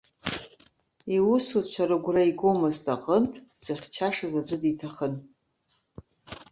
Иусуцәа рыгәра игомызт аҟынтә, дзыхьчашаз аӡәы диҭахын.